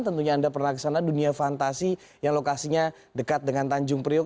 tentunya anda pernah kesana dunia fantasi yang lokasinya dekat dengan tanjung priok